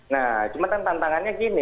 nah cuma kan tantangannya gini